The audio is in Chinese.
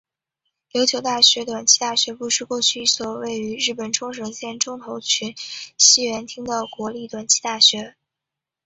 琉球大学短期大学部是过去一所位于日本冲绳县中头郡西原町的国立短期大学。